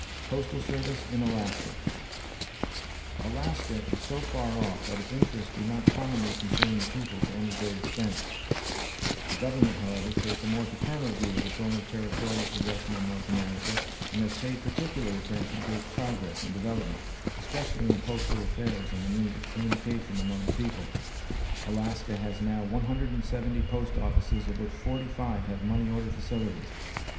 Postal Service in Alaska Alaska is so far off that its interests do not commonly concern the people to any great extent. The Government, however, takes a more paternal view of its only territorial possession in North America, and has paid particular attention to its progress and development, especially in postal affairs and the means of communication among the people. Alaska has now 170 post offices of which 45 have money order facilities.